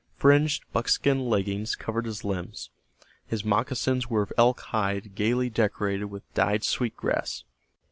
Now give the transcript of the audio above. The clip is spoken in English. Fringed buckskin leggings covered his limbs. His moccasins were of elk hide gayly decorated with dyed sweet grass.